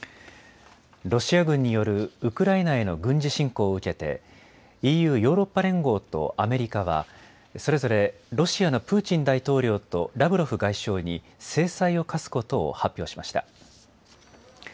ロシア軍によるウクライナへの軍事侵攻を受けてＥＵ・ヨーロッパ連合とアメリカは、それぞれロシアのプーチン大統領とラブロフ外相に制裁を科すことを発表しました。